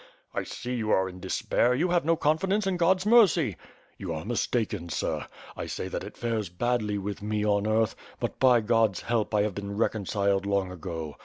"I see you are in despair, you have no confidence in God^s mercy." "You are mistaken, sir. I say that it fares badly with me on earth, but, by God's help, I have been reconciled long ago.